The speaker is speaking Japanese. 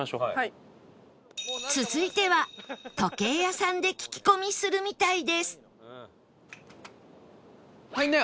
続いては時計屋さんで聞き込みするみたいです